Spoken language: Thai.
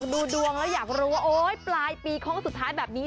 ดูดวงและอยากรู้ว่าปลายปีของสุดท้ายแบบนี้